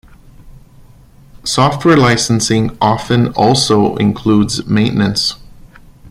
Software licensing often also includes maintenance.